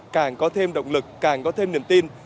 càng có thêm động lực càng có thêm niềm tin